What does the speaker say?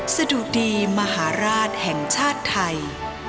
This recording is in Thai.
สะดุดีมหาราชแห่งชาติไทย